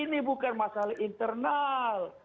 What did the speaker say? ini bukan masalah internal